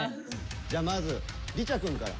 じゃあまずリチャくんから。